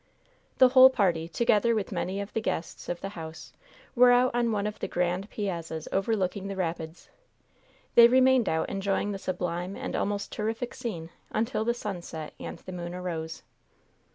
The whole party, together with many of the guests of the house, were out on one of the grand piazzas overlooking the rapids. They remained out enjoying the sublime and almost terrific scene until the sun set and the moon arose.